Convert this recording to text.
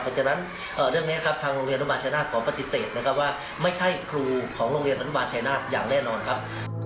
เพราะฉะนั้นเรื่องนี้ครับทางโรงเรียนอนุบาลชายนาฏขอปฏิเสธนะครับว่าไม่ใช่ครูของโรงเรียนอนุบาลชายนาฏอย่างแน่นอนครับ